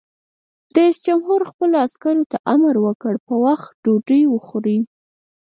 رئیس جمهور خپلو عسکرو ته امر وکړ؛ په وخت ډوډۍ وخورئ!